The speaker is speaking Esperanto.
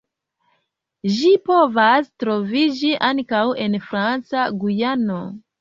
Ĝi povas troviĝi ankaŭ en Franca Gujano.